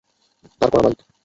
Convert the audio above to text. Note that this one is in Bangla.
দাঁড় করা বাইক।